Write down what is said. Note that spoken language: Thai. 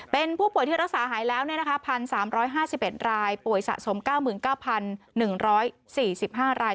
เป็นผู้ป่วยที่รักษาหายแล้ว๑๓๕๑รายป่วยสะสม๙๙๑๔๕ราย